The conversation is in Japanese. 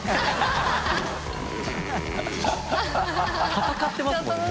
闘ってますもんね